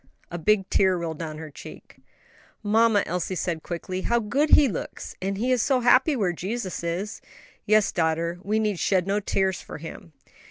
A big tear rolled down her cheek. "Mamma," Elsie said quickly, "how good he looks! and he is so happy where Jesus is." "Yes, daughter, we need shed no tears for him."